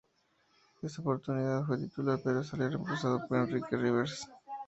En esa oportunidad, fue titular pero salió reemplazado por Enrique Rivers.